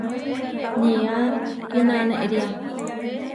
Nía kínanéria.